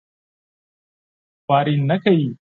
خواري نه کوي.